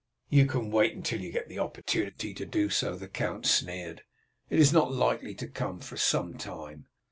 "You can wait until you get an opportunity to do so," the count sneered; "it is not likely to come for some time.